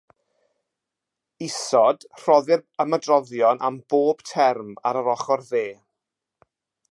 Isod rhoddir ymadroddion am bob term ar yr ochr dde.